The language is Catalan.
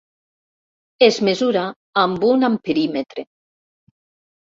Es mesura amb un amperímetre.